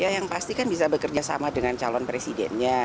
ya yang pasti kan bisa bekerja sama dengan calon presidennya